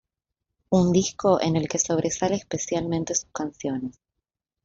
Un disco en el que sobresale especialmente sus canciones.